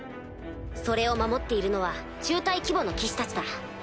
それを守っているのは中隊規模の騎士たちだ。